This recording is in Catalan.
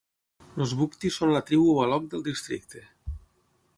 Els Bugti són la tribu Baloch del districte.